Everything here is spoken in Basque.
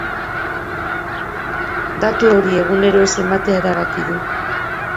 Datu hori egunero ez ematea erabaki du.